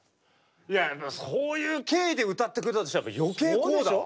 そういう経緯で歌ってくれたとしたら余計こうだわ。